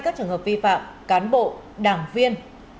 các trường hợp vi phạm cán bộ đảng viên